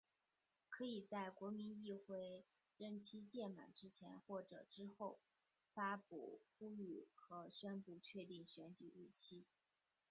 可以在国民议会任期届满之前或之后发布呼吁和宣布确定选举日期。